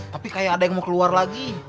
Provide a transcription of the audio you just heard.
tapi kayak ada yang mau keluar lagi